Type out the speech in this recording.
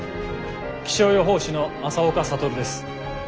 気象予報士の朝岡覚です。